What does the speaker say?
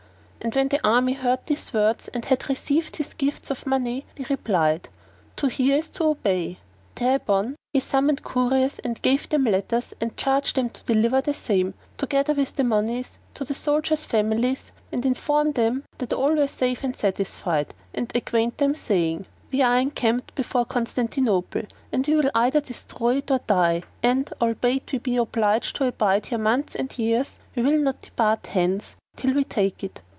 And when the army heard these words and had received his gifts of money they replied, "To hear is to obey!" Thereupon he summoned couriers and gave them letters and charged them to deliver the same, together with the monies, to the soldiers' families and inform them that all were safe and satisfied, and acquaint them saying, "We are encamped before Constantinople and we will either destroy it or die; and, albeit we be obliged to abide here months and years, we will not depart hence till we take it."